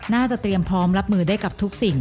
เตรียมพร้อมรับมือได้กับทุกสิ่ง